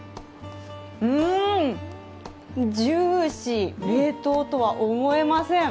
ジューシー、冷凍とは思えません。